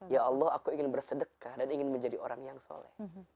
ya allah aku ingin bersedekah dan ingin menjadi orang yang soleh